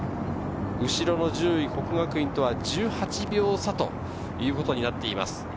後ろの順位、國學院とは１８秒差ということになっています。